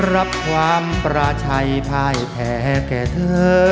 รับความประชัยพ่ายแพ้แก่เธอ